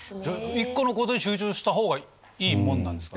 １個のことに集中したほうがいいもんなんですか？